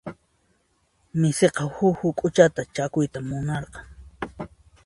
Misiqa huk huk'uchata chakuyta munarqan.